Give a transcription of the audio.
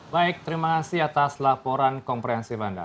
baik terima kasih atas laporan komprehensif anda